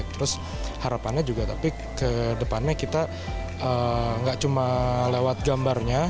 terus harapannya juga tapi kedepannya kita nggak cuma lewat gambarnya